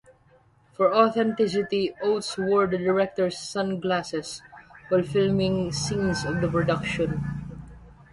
For authenticity, Oates wore the director's sunglasses while filming scenes of the production.